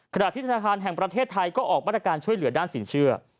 ขณะที่ธนาคารแห่งประเทศไทยก็ออกมาตรการช่วยเหลือด้านสินเชื่อ